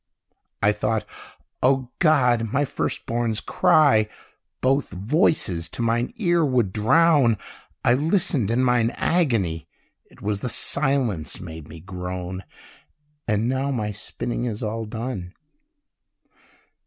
I thought, O God! my first born's cry Both voices to mine ear would drown: I listened in mine agony, It was the silence made me groan! And now my spinning is all done.